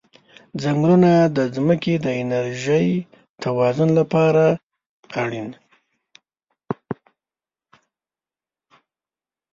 ځنګلونه د ځمکې د انرژی توازن لپاره اړین دي.